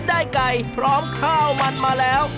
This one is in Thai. ได้ไก่พร้อมข้าวมันมาแล้ว